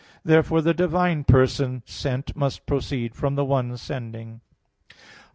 Therefore the divine person sent must proceed from the one sending. Obj.